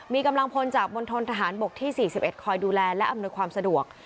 มีกำลังพลจากมณฑนทหารบกที่๔๑คอยดูแลและอำนวยความสะดวก